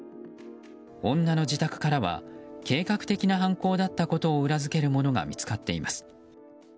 女の自宅からは計画的な犯行だったことを裏付けるものが見つかっています。